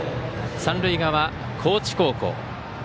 三塁側、高知高校。